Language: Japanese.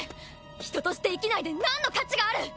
人として生きないでなんの価値がある！